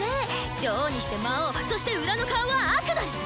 女王にして魔王そして裏の顔はアクドル！